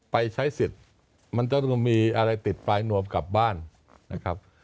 ไปใช้สิทธิ์มันจะต้องมีอะไรติดปลายนวมกลับบ้านนะครับ